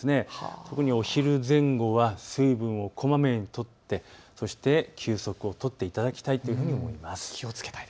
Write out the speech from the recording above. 特にお昼前後は水分をこまめにとってそして休息を取っていただきたいというふうに思います。